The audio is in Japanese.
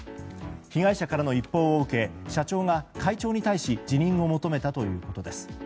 被害者からの一報を受け社長が会長に対し辞任を求めたということです。